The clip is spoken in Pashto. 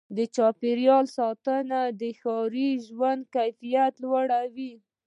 د چاپېریال ساتنه د ښاري ژوند کیفیت لوړوي.